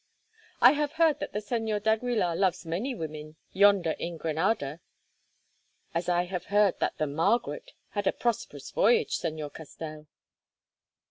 "I have heard that the Señor d'Aguilar loves many women, yonder in Granada." "As I have heard that the Margaret had a prosperous voyage, Señor Castell.